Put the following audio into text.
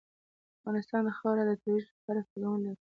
افغانستان د خاوره د ترویج لپاره پروګرامونه لري.